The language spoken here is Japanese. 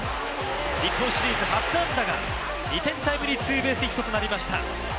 日本シリーズ初安打が２点タイムリーツーベースヒットとなりました。